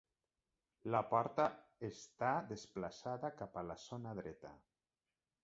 La porta està desplaçada cap a la zona dreta.